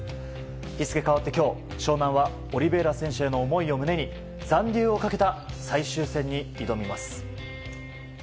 日付変わって今日、湘南はオリベイラ選手への思いを胸に残留をかけた最終戦に挑みます。